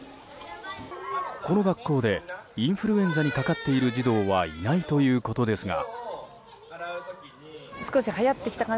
この学校でインフルエンザにかかっている児童はいないということですが。